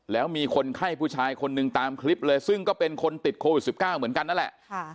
แล้วมีคนไข้ผู้ชายคนหนึ่งตามคลิปเลยซึ่งก็เป็นคนติดโควิด๑๙เหมือนกันนั่นแหละ